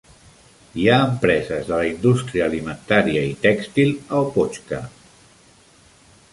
Hi ha empreses de la indústria alimentària i tèxtil a Opochka.